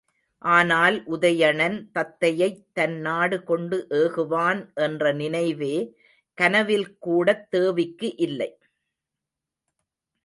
ஆனால் உதயணன் தத்தையைத் தன் நாடு கொண்டு ஏகுவான் என்ற நினைவே கனவில் கூடத் தேவிக்கு இல்லை.